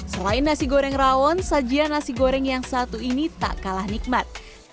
selain nasi goreng rawon sajian nasi goreng yang satu ini tak kalah nikmat